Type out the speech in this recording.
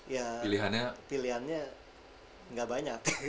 ya pilihannya gak banyak